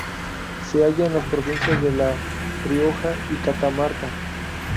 Se halla en las provincias de La Rioja y Catamarca.